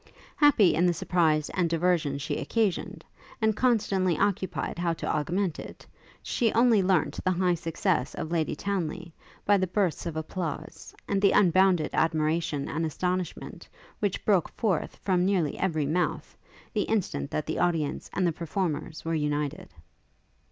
Happy in the surprise and diversion she occasioned, and constantly occupied how to augment it, she only learnt the high success of Lady Townly, by the bursts of applause, and the unbounded admiration and astonishment, which broke forth from nearly every mouth, the instant that the audience and the performers were united.